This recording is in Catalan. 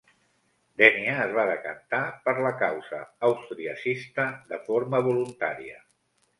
Dénia es va decantar per la causa austriacista de forma voluntària.